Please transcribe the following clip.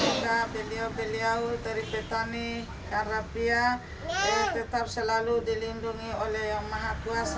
semoga beliau beliau dari petani kharrafiah tetap selalu dilindungi oleh yang masing masing